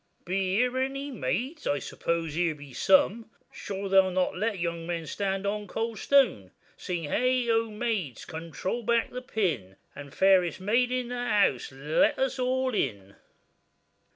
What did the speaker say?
Be here any maids? I suppose here be some; Sure they will not let young men stand on the cold stone! Sing hey O, maids! come trole back the pin, And the fairest maid in the house let us all in.